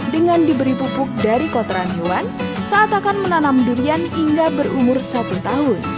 dengan diberi pupuk dari kotoran hewan saat akan menanam durian hingga berumur satu tahun